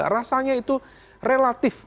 rasanya itu relatif